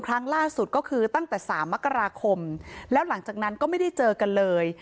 ครั้งล่าสุดก็คือตั้งแต่สามมกราคมแล้วหลังจากนั้นก็ไม่ได้เจอกันเลย